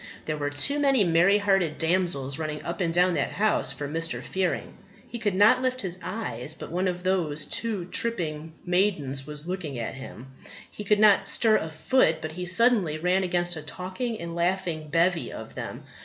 There were too many merry hearted damsels running up and down that house for Mr. Fearing. He could not lift his eyes but one of those too tripping maidens was looking at him. He could not stir a foot but he suddenly ran against a talking and laughing bevy of them.